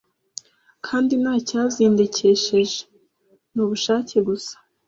kandi ntacyazindekesheje nubushake gusa